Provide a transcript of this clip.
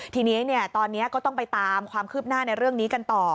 ทีนี้ตอนนี้ก็ต้องไปตามความคืบหน้าในเรื่องนี้กันต่อ